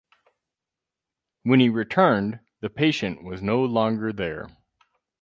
When he returned the patient was no longer there.